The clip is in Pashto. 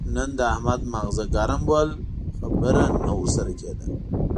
نن د احمد ماغزه ګرم ول؛ خبره نه ور سره کېده.